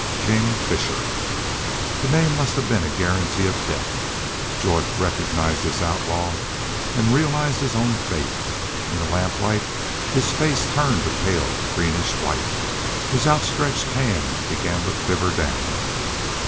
KING FISHER!" The name must have been a guarantee of death. Jorth recognized this outlaw and realized his own fate. In the lamplight his face turned a pale greenish white. His outstretched hand began to quiver down.